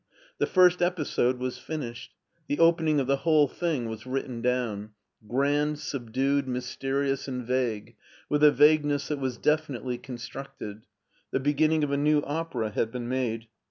The first episode was finished — the opening of the whole thing was written down : grand, subdued, mysterious, and vague, with a vagueness that was definitely constructed. The beginning of a new opera had been made.